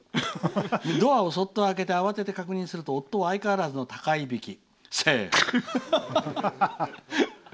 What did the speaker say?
「ドアをそっと開けて慌てて確認すると夫は相変わらずの高いびきセーフ。